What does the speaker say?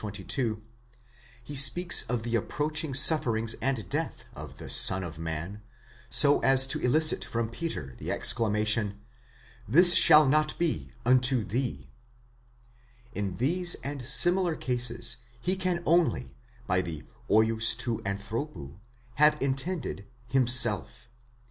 22, he speaks of the approaching sufferings and death of the Son of Man, so as to elicit from Peter the exclamation, οὐ μὴ ἔσται σοι τοῦτο, this shall not be unto thee; in these and similar cases he can only, by the vids rod ἀνθρώπου, have intended himself.